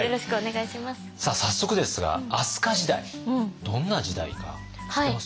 早速ですが飛鳥時代どんな時代か知ってます？